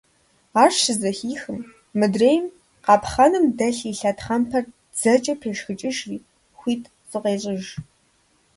Ар щызэхихым, мыдрейм къапхъэным дэлъ и лъэтхьэмпэр дзэкӀэ пешхыкӀыжри, хуит зыкъещӀыж.